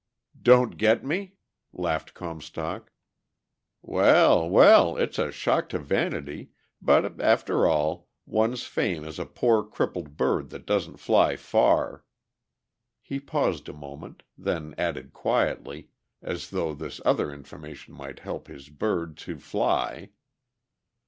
"Don't get me?" laughed Comstock. "Well, well, it's a shock to vanity, but after all one's fame is a poor crippled bird that doesn't fly far." He paused a moment, then added quietly, as though this other information might help his bird "to fly."